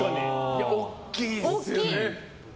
大きいですよね。